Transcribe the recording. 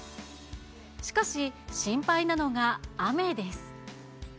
しかし、心配なのが雨です。